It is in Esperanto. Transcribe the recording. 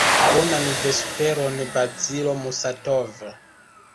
Bonan vesperon, Bazilo Musatov.